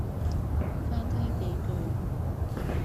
翻他幾句，